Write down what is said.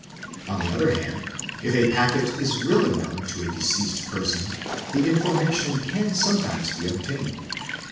On the other hand, if a packet is really known to a deceased person, the information can sometimes be obtained.